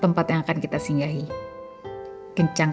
kenapa anak anak lasik di tacomap